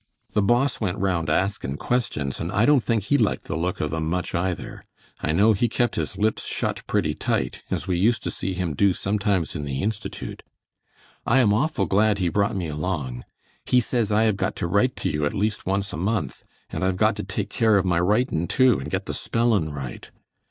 The Boss went round askin' questions and I don't think he liked the look of them much either. I know he kept his lips shut pretty tight as we used to see him do sometimes in the Institute. I am awful glad he brought me along. He says I have got to write to you at least once a month, and I've got to take care of my writin' too and get the spellin' right.